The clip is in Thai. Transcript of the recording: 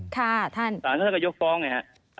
สารท่านธัยการยกฟ้องไงฮะ